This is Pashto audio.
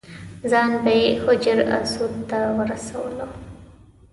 ځان به یې حجر اسود ته ورسولو.